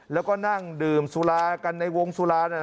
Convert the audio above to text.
แล้วก็นั่งดื่มสุรากันในวงสุรา